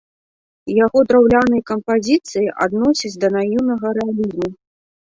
Яго драўляныя кампазіцыі адносяць да наіўнага рэалізму.